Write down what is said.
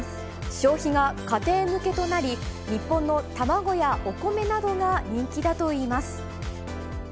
消費が家庭向けとなり、日本の卵やお米などが人気だといいます。